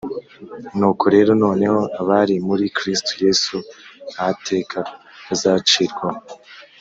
Nuko rero noneho abari muri Kristo Yesu nta teka bazacirwaho